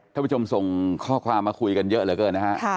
ท่านผู้ชมส่งข้อความมาคุยกันเยอะเหลือเกินนะฮะ